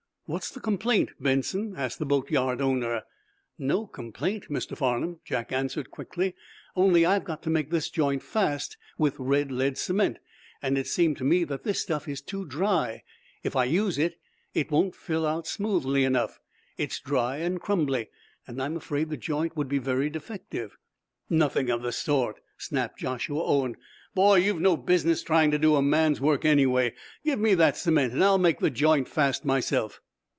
"What's the complaint, Benson?" asked the boatyard owner. "No complaint, Mr. Farnum," Jack answered, quickly. "Only, I've got to make the joint fast with red lead cement, and it seemed to me that this stuff is too dry. If I use it, it won't fill out smoothly enough. It's dry and crumbly, and I'm afraid the joint would be very defective." "Nothing of the sort!" snapped Joshua Owen. "Boy, you've no business trying to do a man's work, anyway. Give me that cement, and I'll make the joint fast myself."